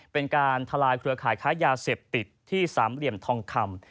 เป็นการทลายเครือข่ายค้ายาเสพติดที่สามเหลี่ยมทองคำ